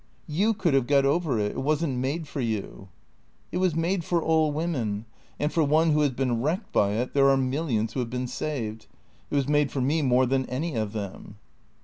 " You could have got over it. It was n't made for you." " It was made for all women. And for one who has been wrecked by it there are millions who have been saved. It was made for me more than any of them."